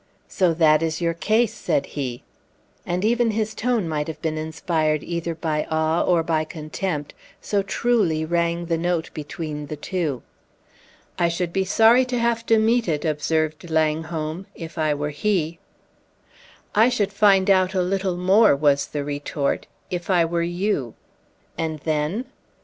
"So that is your case!" said he. And even his tone might have been inspired either by awe or by contempt, so truly rang the note between the two. "I should be sorry to have to meet it," observed Langholm, "if I were he." "I should find out a little more," was the retort, "if I were you!" "And then?"